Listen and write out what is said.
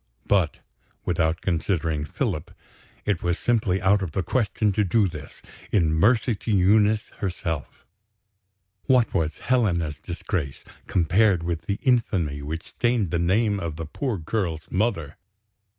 But, without considering Philip, it was simply out of the question to do this, in mercy to Eunice herself. What was Helena's disgrace, compared with the infamy which stained the name of the poor girl's mother!